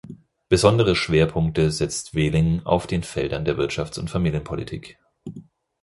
Besondere Schwerpunkte setzt Wehling auf den Feldern der Wirtschafts- und Familienpolitik.